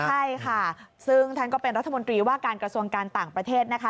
ใช่ค่ะซึ่งท่านก็เป็นรัฐมนตรีว่าการกระทรวงการต่างประเทศนะคะ